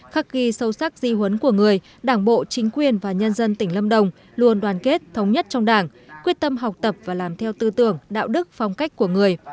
khắc ghi sâu sắc di huấn của người đảng bộ chính quyền và nhân dân tỉnh lâm đồng luôn đoàn kết thống nhất trong đảng quyết tâm học tập và làm theo tư tưởng đạo đức phong cách của người